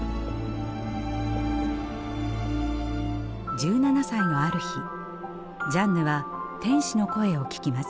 １７歳のある日ジャンヌは天使の声を聞きます。